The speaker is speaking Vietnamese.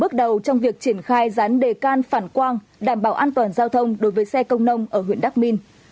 bước đầu trong việc triển khai rán đề can phản quang đảm bảo an toàn giao thông đối với xe công nông ở huyện đắc minh